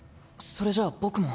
それじゃあ僕も。